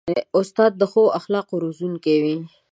استاد د ښو اخلاقو روزونکی وي.